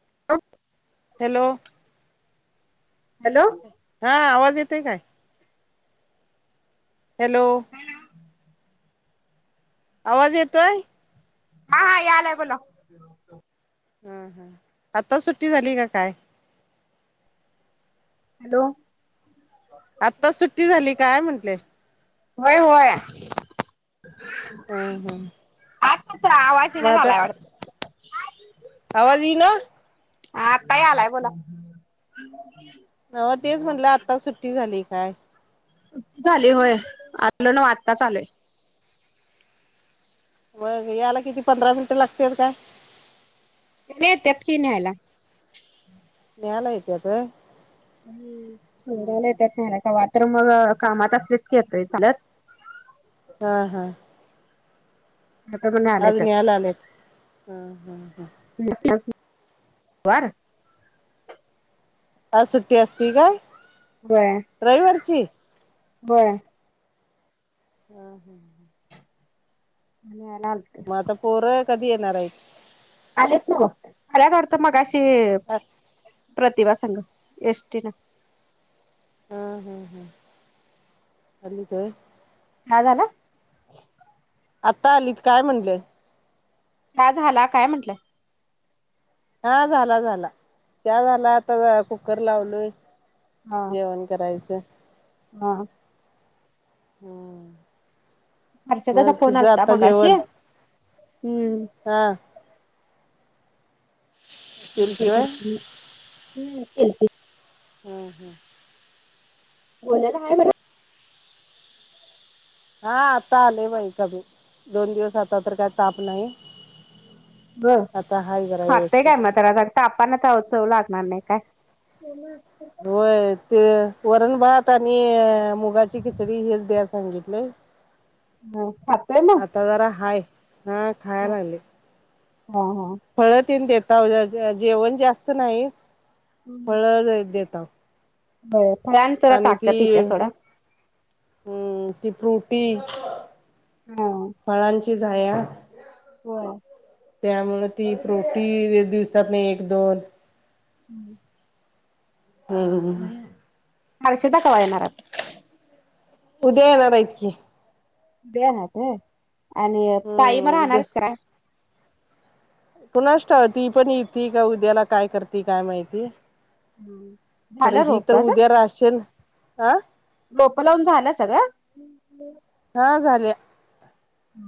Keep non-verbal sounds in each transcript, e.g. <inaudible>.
<unintelligible> Hello. Hello. हा आवाज येतेय काय? हॅलो. <inaudible> आवाज येतोय? हा हा यालायं बोला. <inaudible> हा हा आता सुट्टी झाली का काय? हॅलो. आत्ता सुट्टी झाली काय म्हंटले. होय होय. हम् हम् आज तुमचा आवाज मग येईना आता झालाय वाटतं. आवाज येईना? हा आत्ताही आलाय बोला. हम्म. अ तेच म्हटलं आता सुट्टी झाली काय? झाली होय आपलं पण आत्ताच झालं. मग याला किती पंधरा मिनिटं लागतील काय? हे येत्यात की न्यायला. न्यायला येतात का.. सोडायला येत्यात कवा तर मग कामात असलेच की येतोय झालंत हा हा. नाहीतर मग आज न्यायला आलेय. वर आज सुट्टी असती का? व्हय. रविवारची? होय. हा हा. न्यायला आल ते. मग आता पोरं कधी येणार हाईत? आलेत नव्हं, आल्यात वाडतं मगाशी आहेत प्रतिभा संग, एष्टी नं. हा हम्म हम्म अलितवय. च्या झाला? आत्ता आलीत काय म्हणलं? च्या झाला झाला काय म्हंटलं. हा झाला झाला, च्या झाला आता कुकर लावलोय, जेवण करायचं. हां. हम्म. हर्षदाचा मग फोन तुझं आलता आता मगाशी, हम्म. हां. केल नंतर किवाय करतान, तिनं केलती. हां हां. गोल्याला हाय बरं? हां आता आलय बाई कमी, दोन दिवस आता तर काय ताप नाही बघ. आता हाय जरा खातय व्यवस्थित. काय मग त्याला तापानं चव लागनार नाही काय. होय, ते वरण भात आणि मुगाची खिचडी, हेच द्याय सांगितलय. हम्म भात आता जार हाय, हां खाया लागलय. हा हा. फळं तेन देताव, जेवण जास्त नाही, फळं देताव. फळांन जरा ताकद ईत्या सोडा. हम्म, ती फ्रूटी हां. फळांची झाया होय. त्यामुळं ती फ्रूटी दिवसातनं एक दोन हम्म. हम्म हर्षदा कव्हा येणार आता? उद्या येणार यत की. उद्या येणारेत वय, आणि ताई म हम्म राहणार उद्या यत काय.? कुणास ठाव, ती पण येती का उद्याला काय करती काय माहिती. हम्म. तर झालं ही तर रोपच? उद्या राशन हा रोपं लावून झालं सगळं? हा झाल्या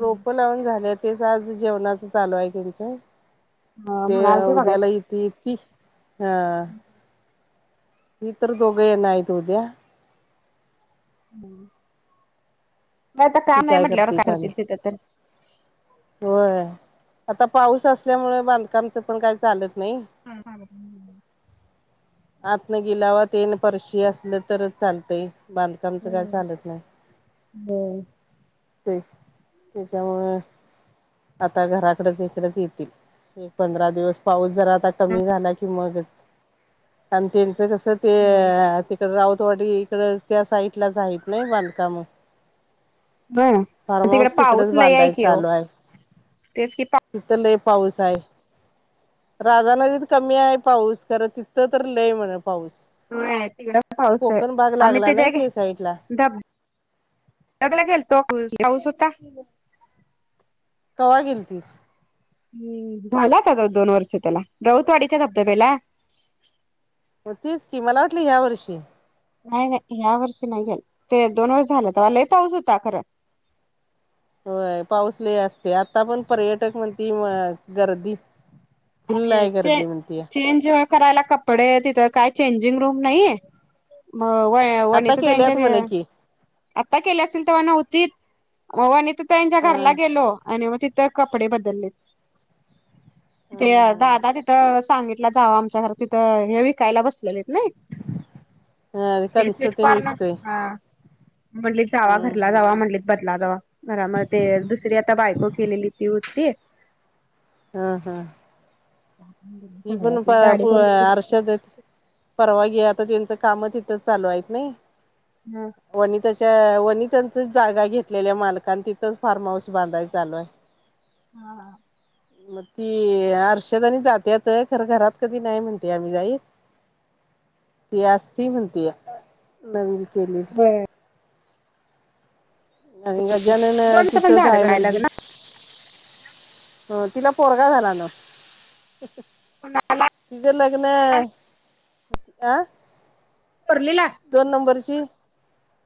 रोपं लावून झाल्यात. तेच आज जेवणाचं चालू आहे त्यांचं हा ती म्हणालती उद्याला मगाशी. येती येती. हा. ती तर दोघं येनाईत उद्या. <unintelligible> काय तर ती काम आहे म्हटल्यावर करते काय करतील माहित तिथं तर. होय आता पाऊस असल्यामुळे बांधकामचं पण काही चालत नाही. काय चालत नाहीये? आतनं गिलावा तेन फरशी असलं तरच चालतय बांध कामचा काय हम्म. चालत नाय ते त्याच्यामुळे आता घराकडच इकडचं येतील आणि एक पंधरा दिवस पाऊस जरा आता कमी झालाय का मगच आणि त्यांचं कसं बर. तेय ती तर राऊतवाडी इकडचं त्या साईटलाच आहेत नाय बांधकामं. होय फार्म तिकडे हाऊस पाऊस तिकडेच लय आहे बांधाय की ओ चालू आहे. तेच की तिथं लई पाऊस आहे राधानगरीत कमी आहे पाऊस खरं ती थं तर लय म्हणे पाऊस. वय तिकडे आहे पाऊस हाय कोकण भाग आम्ही लागला नाही तेजाय गे ते साईडला धब सगळे गेलतो <unintelligible> पाऊस होता. कवा गेलतीस? हम्म झाला काय गं दोन वर्ष त्याला राऊतवाडीच्या धबधब्याला? हा तेच की मला वाटलं ह्या वर्षी. नाय-नाय ह्यावर्षी नाय गेल ते दोन वर्ष झालं तेव्हा लय पाऊस होता खरं. होय पाऊस लय असतोय आता पण पर्यटक म्हणती म गर्दी. फुल्ल आणि आहे चें गर्दी म्हणतीया चेंज करायला कपडे तिथं काय चेंजिंग रूम नाहीये? म वय आता वनिता त्यांच्या केल्यात तेय म्हण की आत्ता केलं असतील तेव्हा नव्हतीत. म व नीतू ताईंच्या हा घरला गेलो आणि म तिथं कपडे बदलले. ते हा दादा तिथं सांगितला जावा आमच्या घर तिथं हे विकायला बसलेललेत नाय <inaudible> ते कणस स्वीट तेन कॉर्न विकतोय हा म्हटले जावा हम्म भरला जावा हम्म म्हंटलेत बदला जावा घरामध्ये दुसरी आता बायको केलेली ती होती. हा हा. <inaudible> मी पण पाया गाडी पोळ्या करून आरशा देत. परवा ग्या आता त्यांचं कामं तिथेच चालू येत नाही. हम्म. वनिताच्या वनितांचा जागा घेतलेली आहे मालकांना तिथंच फार्म हाऊस बांधायचं चालू आहे. <inaudible> हा हा. मग ती अर्षद आणि जात्यात तर खरं घरात कधी नाही म्हणतोय आम्ही जाई ती असतीय म्हणत्या नवीन केली आणि गजानन दोनच पण तिथंच झालं आहे काय म्हणली. लग्न हा तिला पोरगा झाला ना. कोणाला उद्या लग्न आं थोरलीला दोन नंबरची,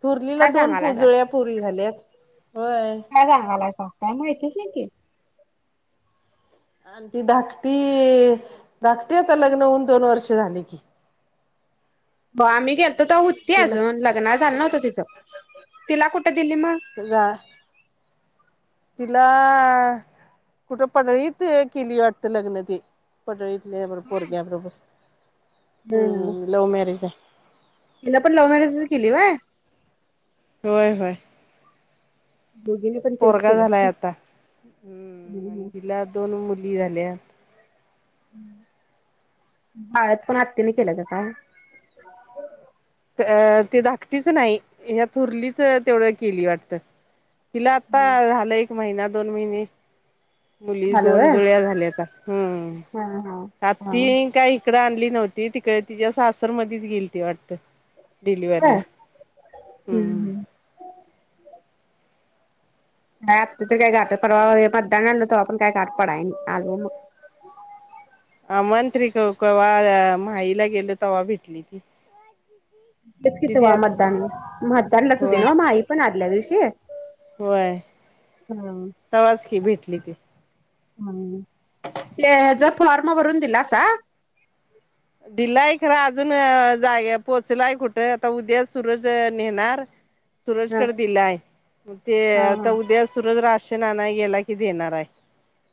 थूरर्लीला काय दोन सांगालायसा पूजुळ्या पुरी झाल्यात, होय. काय सांगालायसा, काय माहितीच नाही की. आणि ती धाकटी, धाकटी आता लग्न हून दोन वर्ष झाली की. ब आम्ही गेलतो तवा होती तिला अजून, लग्न झालं नव्हतं तिचं, तिला कुठं दिली मग? गा तिला, कुठं पडळीत केली वाटतं लग्न ती. पटळीतल्याब पोरग्या बरोबर, हम्म लव मॅरेज हाय. तिला पण लव्ह मॅरेजच किली व्हय. व्हय व्हय. दोघींनी पण तेच पोरगा झालाय आता, हम्म, केलं आणि तिला दोन मुली झाल्या. बाळातपण आत्यीनं केलं का काय? अ ते धाकटीचं नाही, ह्या थोरलीचं तेवढं किली वाटतं. तिला आता झालं एक महिना दोन महिने मुली झालं दोन व्हय जुळ्या झाल्याता, हम्म, हा हा हा आत्ती काही इकडं आणली नव्हती, तिकडं तिच्या सासर मधीच गिलती वाटतं व्हय डिलिवरीला, हम्म. काय आत्ता तर काय गाठ, परवा मतदान आणलं तवा पण काय गाठ पडाय नाही, आलो मग. आमाना तर कवा, माहिला गेलो तव्हा भेटली ती. तेच की दिदी तवा आता मतदान, मतदानलाच होती नवं माहिपण आदल्या दिवशी. व्हय, हम्म तवाच की भेटली ती. हम्म, ते हचा फॉर्म भरून दिलासा? दिलंय खरं अजून जागे पोहोचलाय कुठं, आता उद्या सुरज नेणार हा सूरजकडं दिलाय, ते हा आता हा उद्या सूरज राशन आणाय गेला की देणार हाय.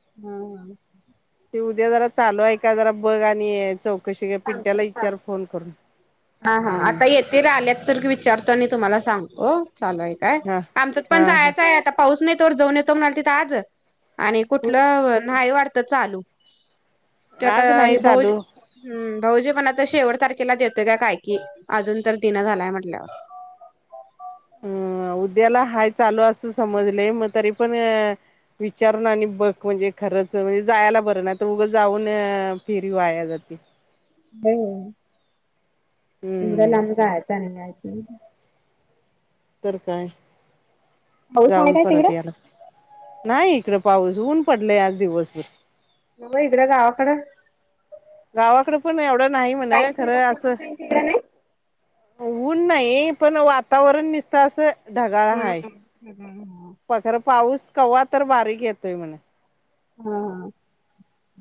<inaudible> ते उद्या जरा चालू आहे का जरा बघ, आणि चौक कशी काय सांगतो पिट्याला सांग विचार फोन करून, हम्म. तेच आल्यात तर विचारतो आणि तुम्हाला सांगतो चालू हाय काय, हा आमच्यात पण हा हा जायाचं हाय आता पाऊस नाही तवर जाऊन येतो म्हणालतीत आज, आणि कुठलं, नाहीय वाटतं चालू. तो आता आज नाही हे भाउ चालू हम्म, भाऊजी मणालतं शेवट तारखेला देतोय का काय कि, अजून तर दिना झालाय म्हटल्यावर. अं उद्याला हाय चालू असं समजलय मग तरी पण विचारून आणि बघ, म्हणजे खरंच म्हणजे जायाला बरं, नाही तर उगं जाऊन फिरी वाया जात्या. होय होय, एवढ्या हम्म लांब जायाचं आणि यायचं तर काय, पाऊस आहे जाऊन काय परत या तिकडं लागतय. नाही इकडं पाऊस, ऊन पडलय आज दिवसभर. म इकडं गावाकडं. गावाकडं पण एवढं नाही म्हणं, ताईंच्या इकडं खरं पूनम असं ताईंच्या इकडं नाही ऊन नाही, पण वातावरण निसतं असं ढगाळ हाय. हम्म हम्म. प खरं पाऊस कवा तर बारीक येतोय म्हणं. हा हा,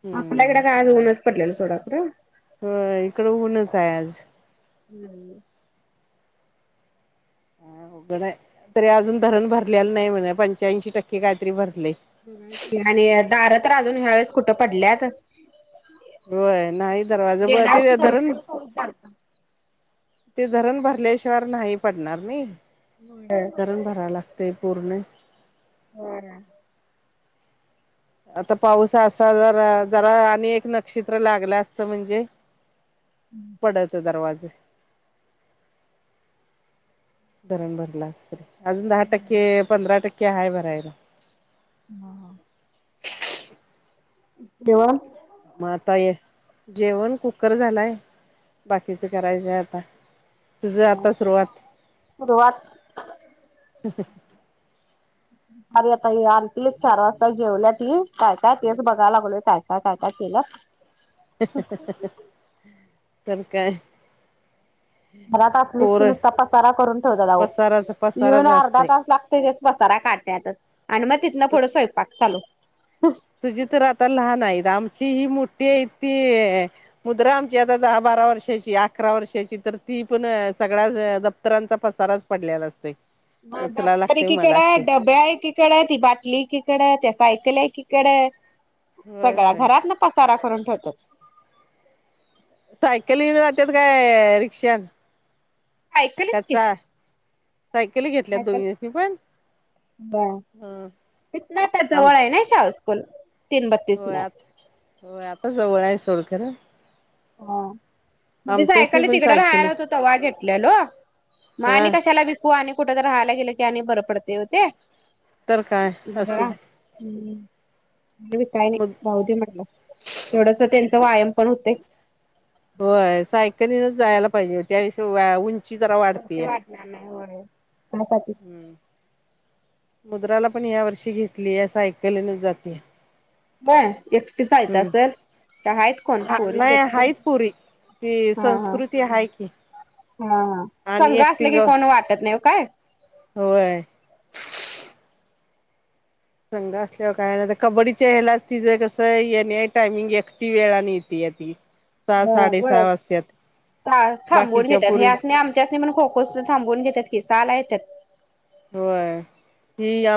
हम्म आपल्याकडं काय आज ऊनच पडलेलं सोडा खरं. होय, इकडं ऊनच हाय आज. <unintelligible> काय अवघड आहे तरी अजून धरण भरल्याल नाही म्हणे पंच्याऐंशी टक्के काहीतरी भरले. <unintelligible> दारा तर अजून हाय कुठं पडल्यात? होय नाही दरवाजा ब गेल्या वर्षी तिथं धरण भरपूर पाऊस झालता. ते धरण भरल्याशिवार नाही पडणार नाही. होय. धरण भराय लागते पूर्ण. होय. आता पाऊस असा जरा जरा आणि एक नक्षत्र लागलं असतं म्हणजे. <inaudible> हम्म. पडत हाय दरवाजे धरण भरलास तरी अजून दहा टक्के पंधरा टक्के हाय भरायला. म हा. बोल मग आता ये जेवण कुकर झालाय. बाकीचं करायचंय आता. तुझा आता सुरुवात. सुरुवात अरे आता ये आरतीले चार वाजता जेवल्या ती काय काय तेच बघायला लागलोय काय काय काय काय केलं. तर काय. घरात असलीच की पोर नुसता पसारा करून ठेवता का हो. पसाराच येऊन पसाराच अर्धा असतय तास लागते तेच पसारा काढयातच आणि मग तिथनं पुढं स्वयंपाक चालू. तुझी तर आता लहान आहेत आमची ही मोठी आहे ती मुद्रा आमची आता दहा बारा वर्षाची अकरा वर्षाची तर ती पण सगळ्या दप्तरांचा पसाराच पडलेला असतोय. म उचला दफ्तरी लागतय किकडे मलाच ते डब्या आहे किक कडे आहे ती बाटली तिकडे त्या सायकल एकीकडे आहे होय सगळ्या होय घरात न पसारा करून ठेवतात. सायकल ही जात्यात काय रिक्षा? सायकलच की. सायकल घेतल्यात दोघीस ने पण? ह होय इथनं तर जवळ आहे आमच नाय शाळा स्कूल तीन होय बत्तीसनं. आता होय आता जवळ आहे सोडखरा. हा. म ते आमच्यासनी सायकल पण तिकडं राहायला सायकलीच होतो तेव्हा घेतलेलो मग हा आणि कशाला वि कू आणि कुठं तर राहायला गेलं की आणि बरं पडते हो ते. तर काय असू जरा दे. हम्म बघू काय नाय जाऊ दे म्हटलं. तेवढच त्यांचा व्यायाम पण होते. होय सायकलीनच जायला पाहिजे त्याशी वाय उंची जरा वाढतेय. <unintelligible> हम्म मुद्राला पण या वर्षी घेतली सायकलीने जाते. होय एकटीच जायचं हम्म. असत्यात काय आहेत कोण हा पोरी नाही सोपतीले आहेत पोरी ती हा हा. संस्कृती आहे की हां हां, आणि संग एकटी असलं की ग कोण वाटत नाही ओ काय. होय. संघ असल्यावर काय ना, आता कबड्डीच्या हलाच तिचं कसं येणे टायमिंग एकटी येळानं येत्या ती. सहा हां साडेसहा होय, वाजत्यात थांबवून बाकीच्या घेत्यात, पोरी ह्यासनी आम च्यास्नी पण खो-खो थांबवून घेत्यात की, साला येत्यात. होय, हि या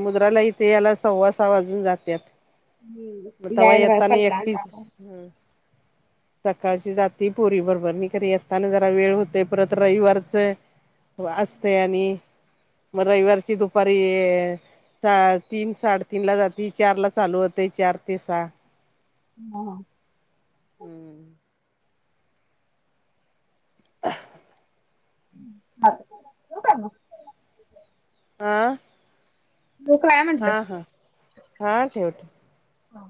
मुद्राला इथं याला सव्वा सा वाजून जात्यात. <unintelligible> होय. सकाळची जाती पोरी बरोबरनी, खरं येताना जरा वेळ होतय, परत रविवारचं हो असतय आणि, मग रविवारची दुपारी सा- तीन साडेतीनला जाती, चारला चालू होतय, चार ते सा. हां हां. हम्म. चालतंय मग, ठिऊ काय. आं ठिऊ काय म हां हां, हा ठेव ठे हा.